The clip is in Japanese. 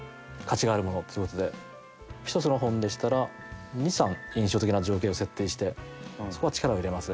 １つの本でしたら２３印象的な情景を設定してそこは力を入れます。